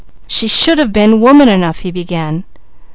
"She should have been woman enough " he began.